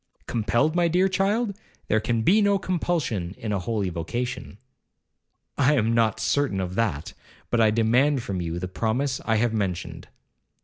'Compelled, my dear child! there can be no compulsion in a holy vocation.' 'I am not certain of that; but I demand from you the promise I have mentioned.'